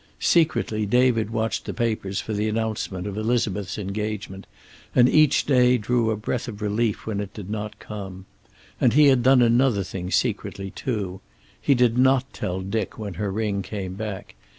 Secretly David watched the papers for the announcement of Elizabeth's engagement, and each day drew a breath of relief when it did not come. And he had done another thing secretly, too; he did not tell Dick when her ring came back.